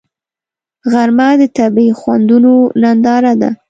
غرمه د طبیعي خوندونو ننداره ده